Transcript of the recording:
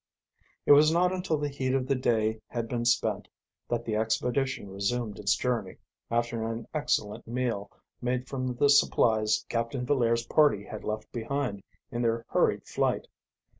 It was not until the heat of the day had been spent that the expedition resumed its journey, after, an excellent meal made from the supplies Captain Villaire's party had left behind in their hurried flight.